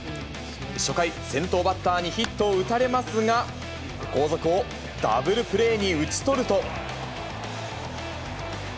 初回、先頭バッターにヒットを打たれますが、後続をダブルプレーに打ち取ると。